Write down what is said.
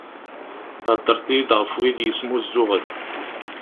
Theddreḍ-iyi-d ɣef wid yesmuzzuɣen.